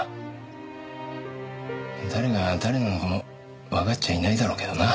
誰が誰なのかもわかっちゃいないだろうけどな。